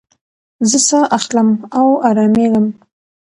زه ساه اخلم او ارامېږم.